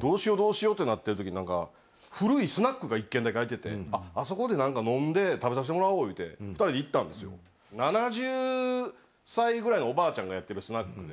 どうしようどうしようってなってる時に何か古いスナックが１軒だけ開いててあそこで何か飲んで食べさしてもらおう言うて２人で行ったんですよ。がやってるスナックで。